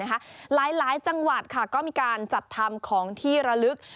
หลายจังหวัดก็มีการจัดทำของที่ระลึก